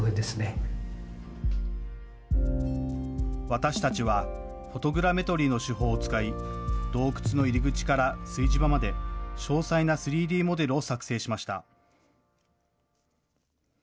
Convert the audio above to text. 私たちは、フォトグラメトリーの手法を使い、洞窟の入り口から炊事場まで、詳細な３Ｄモデルを作成しました。